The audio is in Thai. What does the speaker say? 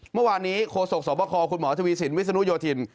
เมื่อวานนี้โฆษกสวบคคุณหมอทวีสินวิศนุโยธิน